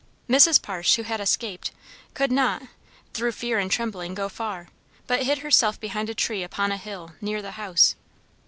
Mrs. Partsch, who had escaped, could not, through fear and trembling, go far, but hid herself behind a tree upon a hill near the house.